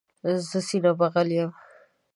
زه سینه بغل یم.